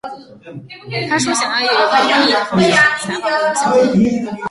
她说想要以有意义的方式使用才华和影响力。